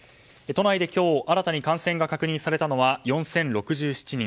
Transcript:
都内で今日、新たに感染が確認されたのは４０６７人。